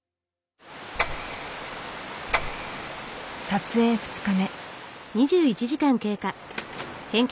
撮影２日目。